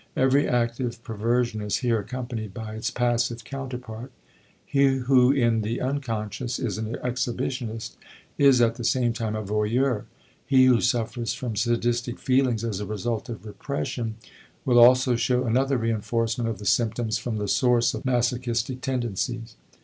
Every active perversion is here accompanied by its passive counterpart. He who in the unconscious is an exhibitionist is at the same time a voyeur, he who suffers from sadistic feelings as a result of repression will also show another reinforcement of the symptoms from the source of masochistic tendencies.